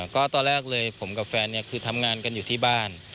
ก็ตอนแรกเลยผมกับแฟนคือทำงานกันอยู่ที่บ้าน